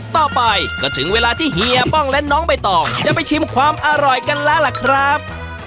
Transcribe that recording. ต่อไปก็ถึงเวลาที่เฮียป้องและน้องใบตองจะไปชิมความอร่อยกันแล้วล่ะครับ